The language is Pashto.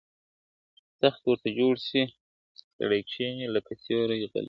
تخت ورته جوړ سي، سړی کښیني لکه سیوری غلی !.